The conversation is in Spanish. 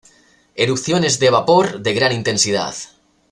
Erupciones de vapor de gran intensidad.